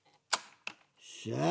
よっしゃー！